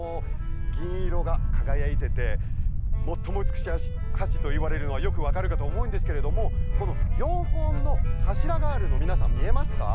銀色が輝いていて最も美しい橋といわれるのはよく分かるかと思うんですけどもこの４本の柱があるの見えますか。